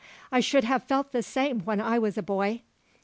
I should have felt the same when I was a boy.